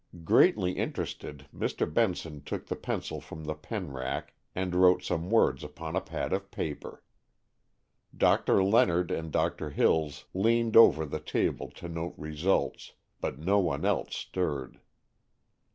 Greatly interested, Mr. Benson took the pencil from the pen rack and wrote some words upon a pad of paper. Doctor Leonard and Doctor Hills leaned over the table to note results, but no one else stirred.